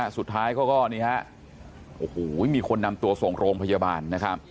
สุดท้ายก็ตรงนี้มีคนนำตัวส่งโรงพยาบาล